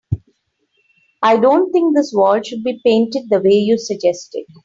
I don't think this wall should be painted the way you suggested.